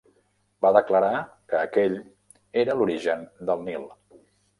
Va declarar que aquell era l'origen del Nil.